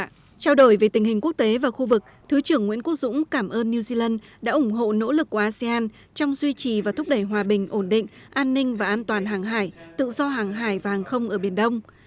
trao đổi về tình hình quốc tế và khu vực thứ trưởng nguyễn quốc dũng cảm ơn new zealand đã ủng hộ nỗ lực của asean trong duy trì và thúc đẩy hòa bình ổn định an ninh và an toàn hàng hải tự do hàng hải và hàng không ở biển đông